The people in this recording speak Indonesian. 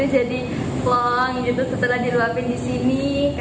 jadi plong setelah diluapkan di sini